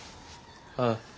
ああ。